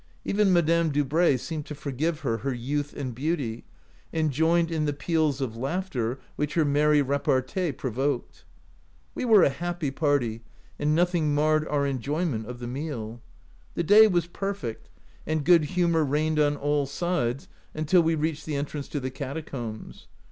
Even Madame Dubray seemed to forgive her her youth and beauty, and joined in the peals of laughter which her merry repartee pro voked. We were a happy party, and noth ing marred our enjoyment of the meal. The day was perfect, and good humor reigned on all sides, until we reached the entrance to the catacombs.